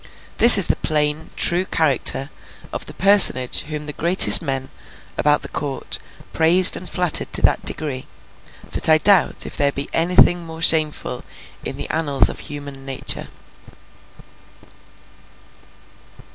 This is the plain, true character of the personage whom the greatest men about the court praised and flattered to that degree, that I doubt if there be anything much more shameful in the annals of human nature.